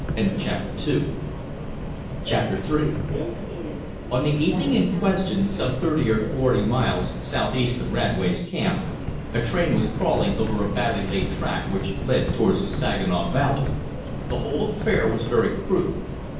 Chapter III On the evening in question, some thirty or forty miles southeast of Radway's camp, a train was crawling over a badly laid track which led towards the Saginaw Valley. The whole affair was very crude.